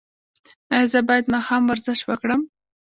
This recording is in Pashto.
ایا زه باید ماښام ورزش وکړم؟